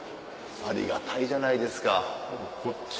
ありがたいじゃないですか。